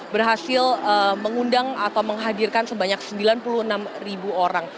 berhasil mengundang atau menghadirkan sebanyak sembilan puluh enam ribu orang